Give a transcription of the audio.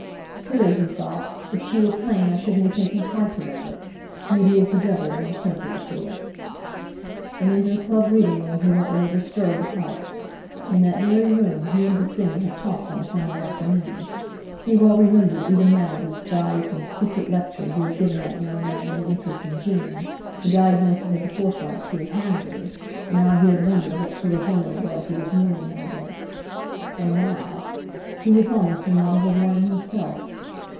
"Queer," he thought. "If she were plain I shouldn't be thinking twice about it. Beauty is the devil, when you're sensitive to it!" And into the Club reading room he went with a disturbed heart. In that very room he and Bosinney had talked one summer afternoon; he well remembered even now the disguised and secret lecture he had given that young man in the interests of June, the diagnosis of the Forsytes he had hazarded; and how he had wondered what sort of woman it was he was warning him against. And now! He was almost in want of a warning himself.